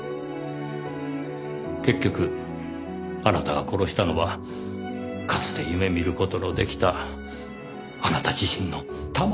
結局あなたが殺したのはかつて夢見る事の出来たあなた自身の魂ですよ。